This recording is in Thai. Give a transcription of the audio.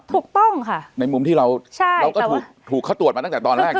ถูกต้องค่ะในมุมที่เราเราก็ถูกเขาตรวจมาตั้งแต่ตอนแรก